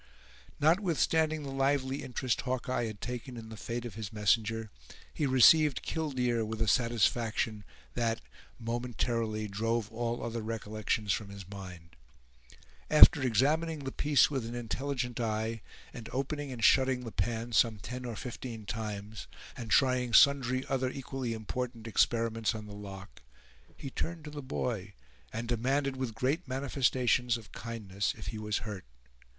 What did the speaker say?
Notwithstanding the lively interest Hawkeye had taken in the fate of his messenger, he received "killdeer" with a satisfaction that, momentarily, drove all other recollections from his mind. After examining the piece with an intelligent eye, and opening and shutting the pan some ten or fifteen times, and trying sundry other equally important experiments on the lock, he turned to the boy and demanded with great manifestations of kindness, if he was hurt.